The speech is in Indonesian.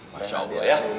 masya allah ya